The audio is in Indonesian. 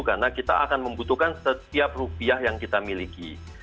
karena kita akan membutuhkan setiap rupiah yang kita miliki